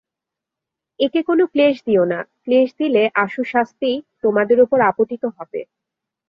একে কোন ক্লেশ দিও না, ক্লেশ দিলে আশু শাস্তি তোমাদের উপর আপতিত হবে।